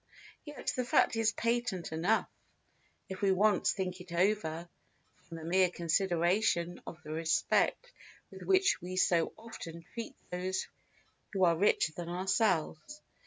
Yet the fact is patent enough, if we once think it over, from the mere consideration of the respect with which we so often treat those who are richer than ourselves.